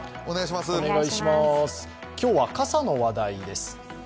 今日は傘の話題です。